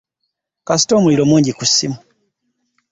Kasita omuliro mungi ku ssimu.